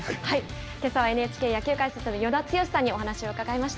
けさはＮＨＫ野球解説の与田剛さんにお話を伺いました。